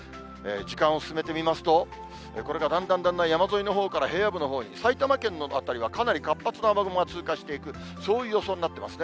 時間を進めてみますと、これがだんだんだんだん、山沿いのほうから平野部のほうに、埼玉県の辺りはかなり活発な雨雲が通過していく、そういう予想になっていますね。